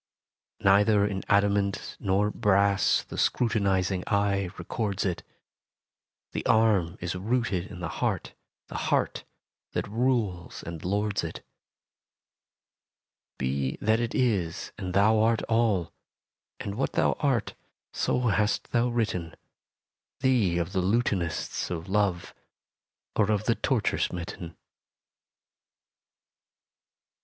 Neither in adamant nor brass The scrutinizing eye records it: The arm is rooted in the heart, The heart that rules and lords it. Be that it is and thou art all: And what thou art so hast thou written Thee of the lutanists of Love, Or of the torture smitten.